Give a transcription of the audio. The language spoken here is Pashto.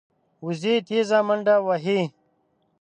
وزې تېزه منډه وهي